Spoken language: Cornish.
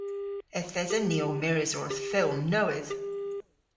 Yth esen ni ow mires orth fylm nowydh.